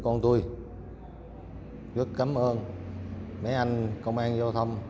con tôi rất cảm ơn mấy anh công an giao thông